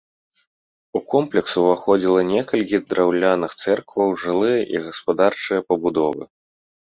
У комплекс уваходзіла некалькі драўляных цэркваў, жылыя і гаспадарчыя пабудовы.